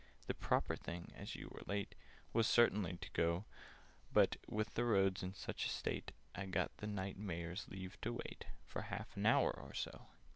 "The proper thing, as you were late, Was certainly to go: But, with the roads in such a state, I got the Knight Mayor's leave to wait For half an hour or so."